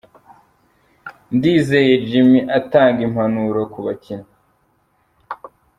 Ndizeye Jimmy atanga impanuro ku bakinnyi.